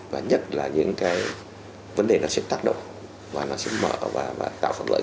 và nhất là những cái vấn đề nó sẽ tác động và nó sẽ mở và tạo thuận lợi